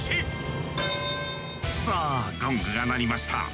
さあゴングが鳴りました！